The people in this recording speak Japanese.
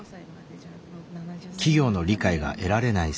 企業の理解が得られない